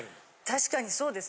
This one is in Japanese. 確かにそうです。